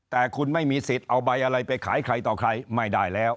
แต่คุณไม่มีสิทธิ์เอาใบอะไรไปขายใครต่อใครไม่ได้แล้ว